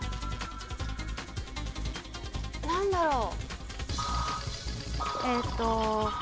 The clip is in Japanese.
何だろう？